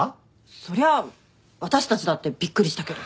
そりゃあ私たちだってびっくりしたけど。